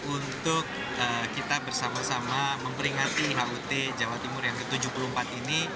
untuk kita bersama sama memperingati hut jawa timur yang ke tujuh puluh empat ini